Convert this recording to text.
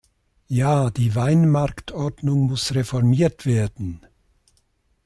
Ja, die Weinmarktordnung muss reformiert werden!